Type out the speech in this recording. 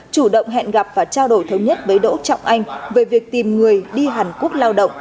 chủ động hẹn gặp và trao đổi thống nhất với đỗ trọng anh về việc tìm người đi hàn quốc lao động